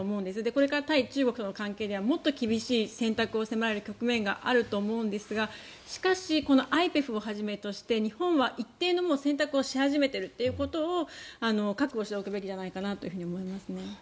これから対中国との関係ではもっと厳しい選択を迫られる局面があると思うんですがしかし、ＩＰＥＦをはじめとして日本は一定の選択をし始めているということを覚悟しておくべきじゃないかなと思いますね。